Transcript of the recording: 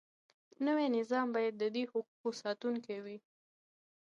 نوی نظام باید د دې حقوقو ساتونکی وي.